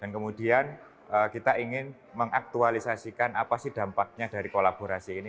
dan kemudian kita ingin mengaktualisasikan apa sih dampaknya dari kolaborasi ini